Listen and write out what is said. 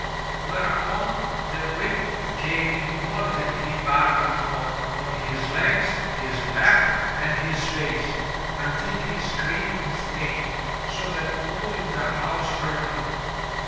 Whereupon the whip gave him more than he bargained for on his legs, his back and his face, until he screamed with pain, so that all in the house heard him.